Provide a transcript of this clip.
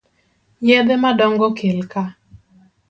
Yedhe modong'o kelka.